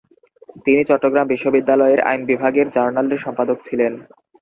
তিনি চট্টগ্রাম বিশ্ববিদ্যালয়ের আইন বিভাগের জার্নালের সম্পাদক ছিলেন।